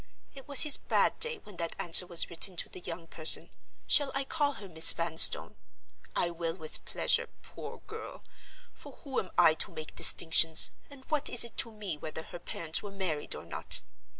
It was his bad day when that answer was written to the young person—shall I call her Miss Vanstone? I will, with pleasure, poor girl; for who am I to make distinctions, and what is it to me whether her parents were married or not?